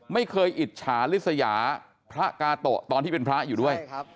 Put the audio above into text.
ไม่เคยอิจฉาลิสยาพระกาโตะตอนที่เป็นพระอยู่ด้วย